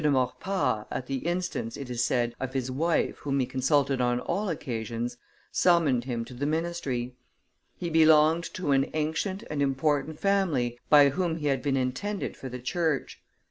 de Maurepas, at the instance, it is said, of his wife whom he consulted on all occasions, summoned him to the ministry. He belonged to an ancient and important family by whom he had been intended for the Church.